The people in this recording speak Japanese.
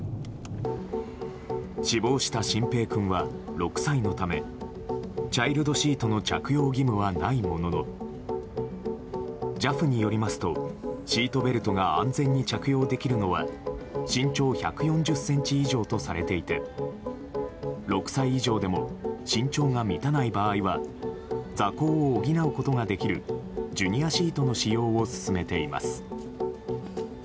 死亡した慎平君は６歳のためチャイルドシートの着用義務はないもののＪＡＦによりますとシートベルトが安全に着用できるのは身長１４０ｃｍ以上とされていて６歳以上でも身長が満たない場合は座高を補うことができるジュニアシートの使用を勧めています。